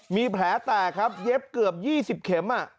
มีแผลแตกครับเย็บเกือบ๒๐เข็ม